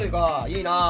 いいなあ。